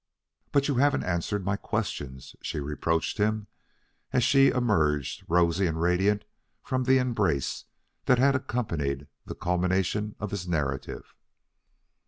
"But you haven't answered my questions," she reproached him, as she emerged, rosy and radiant, from the embrace that had accompanied the culmination of his narrative.